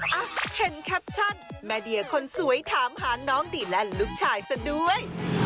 อ่ะเห็นแคปชั่นแม่เดียคนสวยถามหาน้องดีแลนด์ลูกชายซะด้วย